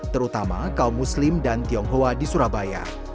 terutama kaum muslim dan tionghoa di surabaya